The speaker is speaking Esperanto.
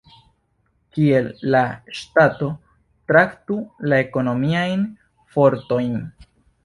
Kiel la ŝtato traktu la ekonomiajn fortojn?